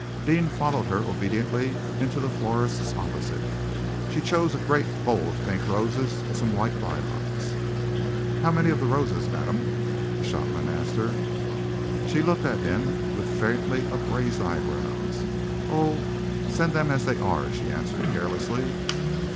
Deane followed her obediently into the florist's opposite. She chose a great bowl of pink roses and some white lilac. "How many of the roses, madam?" the shopman asked her. She looked at him with faintly upraised eyebrows. "Oh! send them as they are," she answered carelessly.